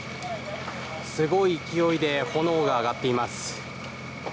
すごい勢いで炎が上がっています。